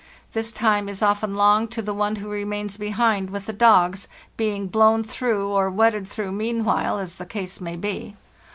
This time is often long to the one who remains behind with the dogs, being blown through or wetted through meanwhile, as the case may be.